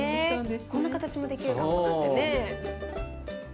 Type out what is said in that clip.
こんな形もできるかもなんてね。